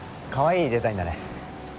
かわいいデザインだね。